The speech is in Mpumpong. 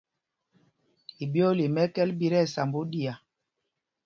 Iɓyōōla í mɛ́kɛ́l ɓí tí ɛsamb oɗiá.